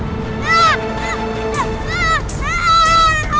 susah deh sama kalian semua